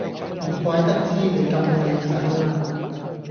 唔怪得知你咁靚仔啦